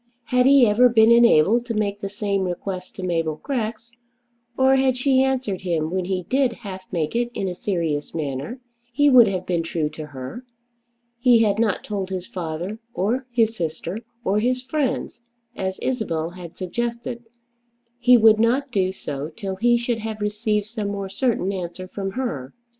Had he ever been enabled to make the same request to Mabel Grex, or had she answered him when he did half make it in a serious manner, he would have been true to her. He had not told his father, or his sister, or his friends, as Isabel had suggested. He would not do so till he should have received some more certain answer from her.